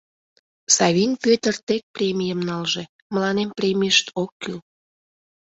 Савин Пӧтыр тек премийым налже, мыланем премийышт ок кӱл...